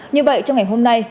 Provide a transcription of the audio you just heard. như vậy trong ngày hôm nay